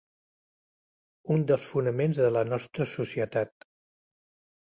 Un dels fonaments de la nostra societat